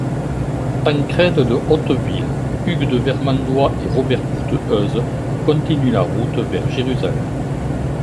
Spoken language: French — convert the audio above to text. Tancrède de Hauteville, Hugues de Vermandois et Robert Courteheuse continuent la route vers Jérusalem.